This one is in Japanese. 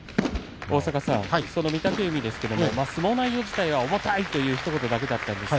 その御嶽海は相撲内容自体は重たいというひと言だけでした。